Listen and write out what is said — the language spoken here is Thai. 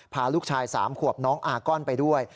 พาลูกชาย๓ขวบน้องอาก้อนไปด้วย